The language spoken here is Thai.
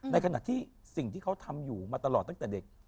ในขณะที่สิ่งที่เขาทำอยู่มาตลอดตั้งแต่เด็ก